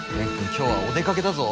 今日はお出かけだぞ。